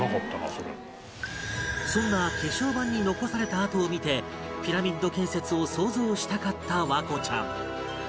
そんな化粧板に残された跡を見てピラミッド建設を想像したかった環子ちゃん